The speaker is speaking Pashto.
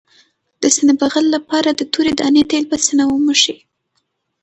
د سینې بغل لپاره د تورې دانې تېل په سینه ومښئ